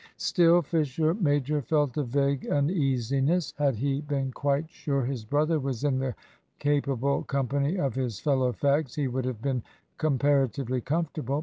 Still, Fisher major felt a vague uneasiness. Had he been quite sure his brother was in the capable company of his fellow fags, he would have been comparatively comfortable.